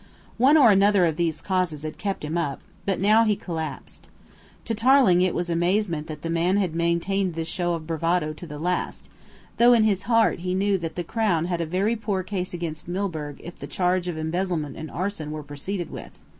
One or other of these causes had kept him up, but now he collapsed. To Tarling it was amazing that the man had maintained this show of bravado to the last, though in his heart he knew that the Crown had a very poor case against Milburgh if the charge of embezzlement and arson were proceeded with.